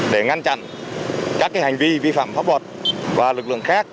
để ngăn chặn các hành vi vi phạm pháp luật và lực lượng khác